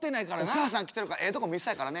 お母さん来てるからええとこ見せたいからね。